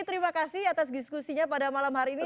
terima kasih atas diskusinya pada malam hari ini